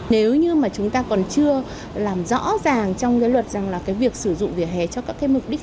nếu như mà chúng ta còn chưa làm rõ ràng trong cái luật rằng là cái việc sử dụng vỉa hè cho các cơ quan quản lý